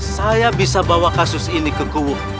saya bisa bawa kasus ini ke kubu